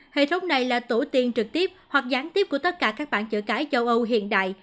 hệ thống này là tổ tiên trực tiếp hoặc gián tiếp của tất cả các bảng chợ cái châu âu hiện đại